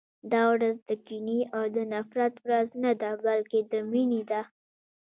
دا ورځ د کینې او د نفرت ورځ نه ده، بلکې د مینې ده.